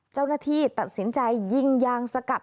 เจ้าหน้าที่ตัดสินใจยิงยางสกัด